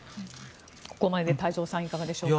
ここまでで太蔵さん、いかがでしょうか。